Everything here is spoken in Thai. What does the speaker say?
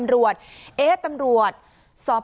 อ่าคุณผู้ชมไม่แน่ใจนะคะว่าได้ติดตามค้าวิทยาลัยภาษาอังกฤษนะครับ